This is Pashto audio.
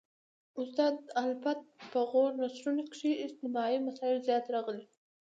استاد الفت په غوره نثرونو کښي اجتماعي مسائل زیات راغلي.